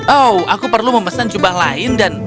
oh aku perlu memesan jubah lain dan